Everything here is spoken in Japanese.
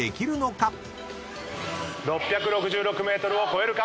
６６６ｍを超えるか？